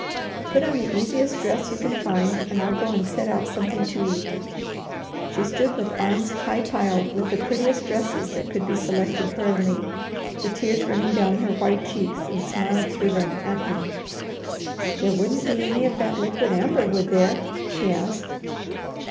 Put on the easiest dress you can find and I will go and set out something to eat." She stood with arms high piled with the prettiest dresses that could be selected hurriedly, the tears running down her white cheeks and smiled through them at him. "There wouldn't be any of that liquid amber would there?" she asked.